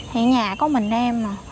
hiện nhà có mình em